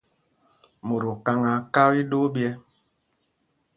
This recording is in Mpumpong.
Mot okaŋ aa kaa iɗoo ɓyɛ́.